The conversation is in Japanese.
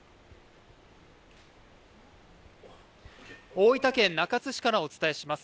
大分県中津市からお伝えします。